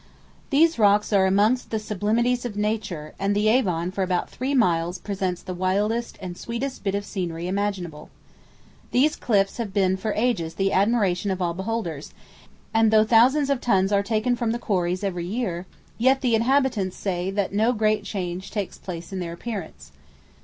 These rocks are amongst the sublimities of nature, and the Avon for about three miles presents the wildest and sweetest bit of scenery imaginable. These cliffs have been for ages the admiration of all beholders, and though thousands of tons are taken from the quarries every year, yet the inhabitants say that no great change takes place in their appearance.